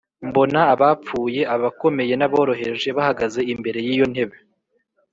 Mbona abapfuye, abakomeye n’aboroheje bahagaze imbere y’iyo ntebe,